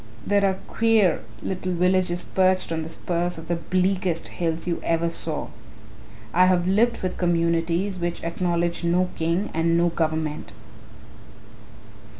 There are queer little villages perched on the spurs of the bleakest hills you ever saw. I have lived with communities which acknowledge no king and no government.